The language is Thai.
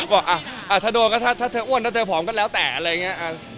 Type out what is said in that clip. ก็ถ้าโดนก็ถ้าเธออ้วนถ้าเธอผอมก็แล้วแต่อะไรอย่างนี้